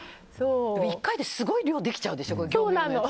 １回ですごい量できちゃうでしょ。